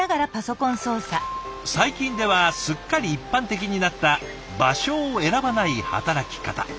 最近ではすっかり一般的になった場所を選ばない働き方。